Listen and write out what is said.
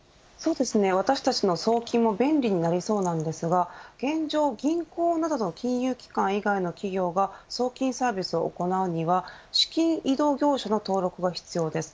私たちの送金も便利になりそうなんですが現状、銀行などの金融機関以外の企業が送金サービスを行うには資金移動業者の登録が必要です。